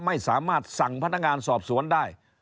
ไม่สามารถสั่งพนักงานสอบสวนได้